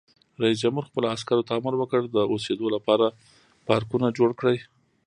رئیس جمهور خپلو عسکرو ته امر وکړ؛ د اوسېدو لپاره بارکونه جوړ کړئ!